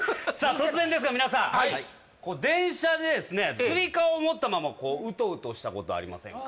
突然ですが皆さん電車でですねつり革を持ったままウトウトしたことありませんか？